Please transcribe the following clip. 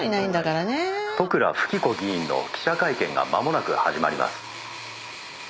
「利倉富貴子議員の記者会見が間もなく始まります」